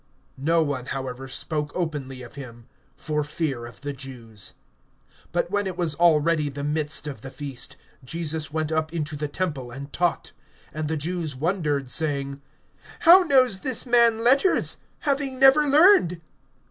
(13)No one, however, spoke openly of him, for fear of the Jews. (14)But when it was already the midst of the feast, Jesus went up into the temple and taught. (15)And the Jews wondered, saying: How knows this man letters, having never learned?